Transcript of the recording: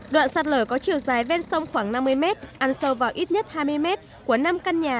đoạn sạt lở có chiều dài ven sông khoảng năm mươi mét ăn sâu vào ít nhất hai mươi mét của năm căn nhà